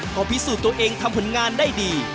ก็พิสูจน์ตัวเองทำผลงานได้ดี